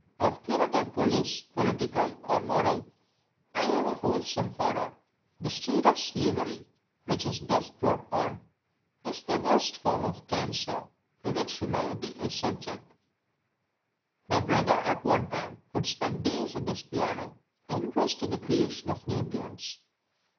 Of punitive police, political or moral, I have a wholesome horror. The state of slavery which is thus brought on is the worst form of cancer to which humanity is subject. My brother at one time would spend days at his piano engrossed in the creation of new tunes.